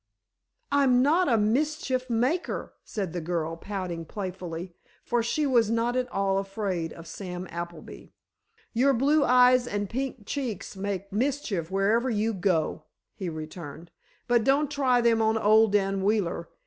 "I'm not a mischief maker," said the girl, pouting playfully, for she was not at all afraid of Sam Appleby. "Your blue eyes and pink cheeks make mischief wherever you go," he returned; "but don't try them on old Dan Wheeler.